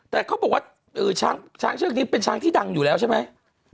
แต่เขาบอกว่าช้างเชือกนี้เป็นช้างที่ดังอยู่แล้วใช่ไหม